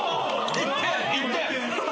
１点！